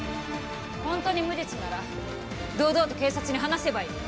本当に無実なら堂々と警察に話せばいい。